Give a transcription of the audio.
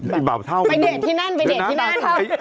ไปเดทที่นั่นไปเดทที่นั่น